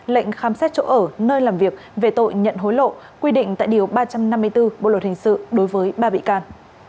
lệnh khám xét chỗ ở nơi làm việc về tội nhận hối lộ quy định tại điều ba trăm năm mươi bốn bộ luật hình sự đối với ba bị can